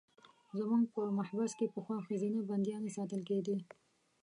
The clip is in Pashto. زموږ په محبس کې پخوا ښځینه بندیانې ساتل کېدې.